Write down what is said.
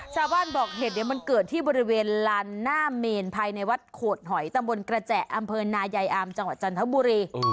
ชาวบ้านบอกเหตุเนี่ยมันเกิดที่บริเวณลานหน้าเมนภายในวัดโขดหอยตำบลกระแจอำเภอนายายอามจังหวัดจันทบุรี